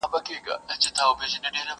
تاريخي خواړه د غم او خوښۍ لپاره وو.